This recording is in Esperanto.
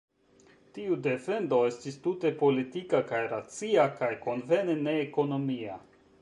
Tiu defendo estis tute politika kaj racia, kaj konvene ne-ekonomia.